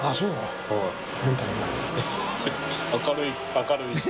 明るいし。